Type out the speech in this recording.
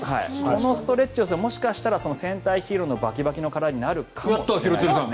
このストレッチをすればもしかしたら戦隊ヒーローのバキバキの体になるかもしれません。